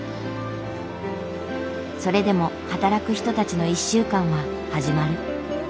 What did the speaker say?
それでも働く人たちの１週間は始まる。